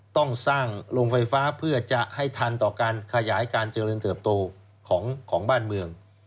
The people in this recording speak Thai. ต้องสร้างโรงไฟฟ้าเพื่อจะให้ทันต่อการขยายการเจริญเติบโตของบ้านเมือง